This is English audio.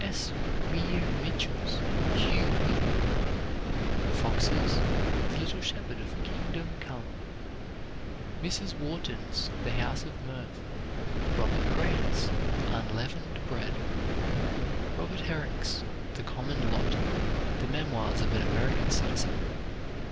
S. Weir Mitchell's "Hugh Wynne." Fox's "The Little Shepherd of Kingdom Come." Mrs. Wharton's "The House of Mirth." Robert Grant's "Unleavened Bread." Robert Herrick's "The Common Lot," "The Memoirs of an American Citizen."